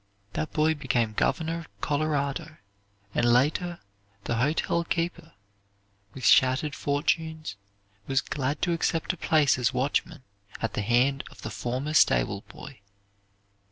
That boy became Governor of Colorado, and later the hotel keeper, with shattered fortunes, was glad to accept a place as watchman at the hand of the former stable boy.